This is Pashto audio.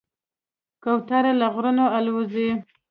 کوتره له غرونو الوزي.